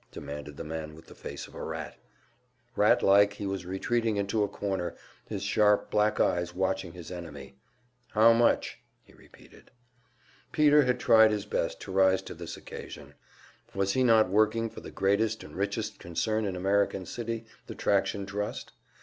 demanded the man with the face of a rat. Rat like, he was retreating into a corner, his sharp black eyes watching his enemy. "How much?" he repeated. Peter had tried his best to rise to this occasion. Was he not working for the greatest and richest concern in American City, the Traction Trust?